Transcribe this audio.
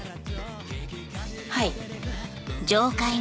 はい。